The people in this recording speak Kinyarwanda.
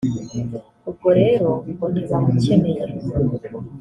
ubwo rero ngo ntibamukeneye